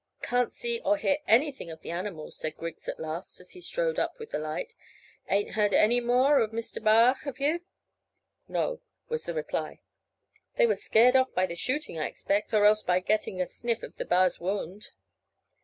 "Can't see or hear anything of the animals," said Griggs, at last, as he strode up with the light. "Ain't heard any more of Mr B'ar, have you?" "No," was the reply. "They were scared off by the shooting, I expect, or else by getting a sniff of the b'ar's wound."